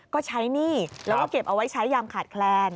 ก็ใช้หนี้แล้วก็เก็บเอาไว้ใช้ยามขาดแคลน